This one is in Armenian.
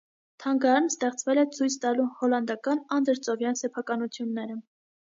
Թանգարանն ստեղծվել է՝ ցույց տալու հոլանդական անդրծովյան սեփականությունները։